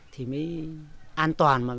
thì mới an toàn